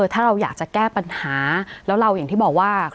ถ้าเราอยากจะแก้ปัญหาแล้วเราอย่างที่บอกว่า